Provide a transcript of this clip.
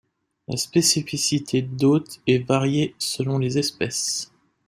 La spécificité d'hôte est variée selon les espèces.